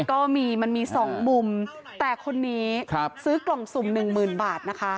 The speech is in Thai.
ก็มีมันมีสองมุมแต่คนนี้ซื้อกล่องสุ่มหนึ่งหมื่นบาทนะคะ